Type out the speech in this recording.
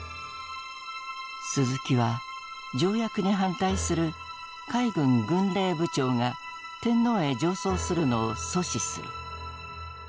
鈴木は条約に反対する海軍軍令部長が天皇へ上奏するのを阻止する。